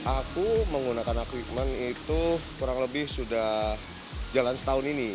aku menggunakan aquickman itu kurang lebih sudah jalan setahun ini